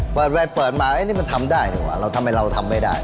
เปิดว่าเปิดมันทำได้หรือเปล่าทำไมเราทำไม่ได้